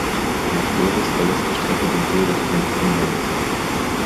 Nach Dores verlässt die Strecke den See Richtung Inverness.